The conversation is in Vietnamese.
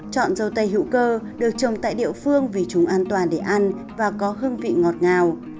chọn dâu tây hữu cơ được trồng tại địa phương vì chúng an toàn để ăn và có hương vị ngọt ngào